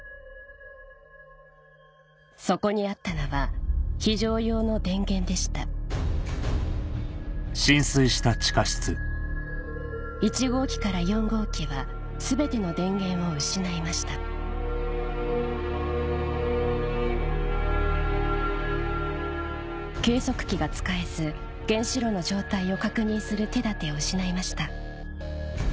そこにあったのは非常用の電源でした１号機から４号機は全ての電源を失いました計測器が使えず原子炉の状態を確認する手だてを失いました